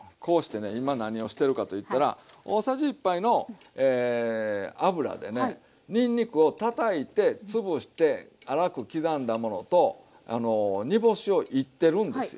今何をしてるかといったら大さじ１杯の油でねにんにくをたたいて潰して粗く刻んだものと煮干しをいってるんですよ。